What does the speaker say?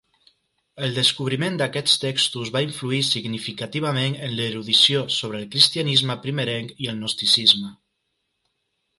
El descobriment d'aquests textos va influir significativament en l'erudició sobre el cristianisme primerenc i el gnosticisme.